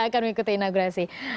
akan mengikuti inaugurasi